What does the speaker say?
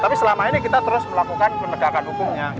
tapi selama ini kita terus melakukan penegakan hukumnya